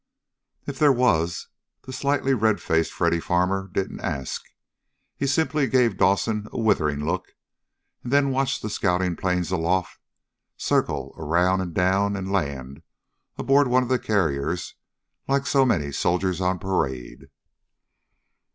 If there was, the slightly red faced Freddy Farmer didn't ask. He simply gave Dawson a withering look and then watched the scouting planes aloft circle around and down and land aboard one of the carriers like so many soldiers on parade.